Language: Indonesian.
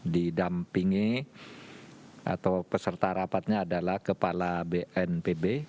didampingi atau peserta rapatnya adalah kepala bnpb